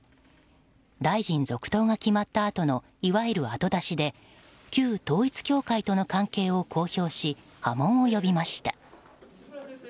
大臣就任が決まったあとのいわゆる後出しで旧統一教会との関係を公表し波紋を呼びました。